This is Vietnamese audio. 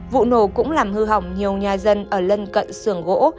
vụ nổ cũng làm hư hỏng nhiều nhà dân ở lân cận sưởng gỗ